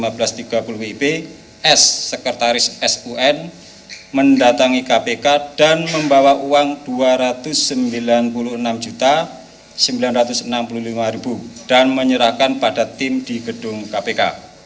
bp s sekretaris sun mendatangi kpk dan membawa uang rp dua ratus sembilan puluh enam sembilan ratus enam puluh lima dan menyerahkan pada tim di gedung kpk